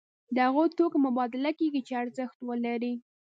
د هغو توکو مبادله کیږي چې ارزښت ولري.